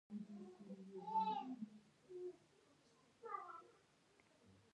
که ماشوم خوندي احساس وکړي، نو وده به وکړي.